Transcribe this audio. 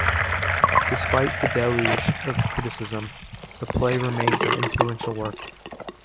Despite the deluge of criticism, the play remains an influential work.